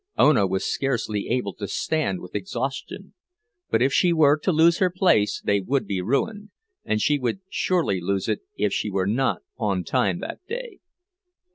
Ona was scarcely able to stand with exhaustion; but if she were to lose her place they would be ruined, and she would surely lose it if she were not on time that day.